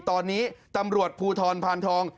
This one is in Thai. ตอนนี้ตำรวจภูทรพานทอง